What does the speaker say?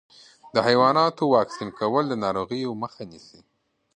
د حیواناتو واکسین کول د ناروغیو مخه نیسي.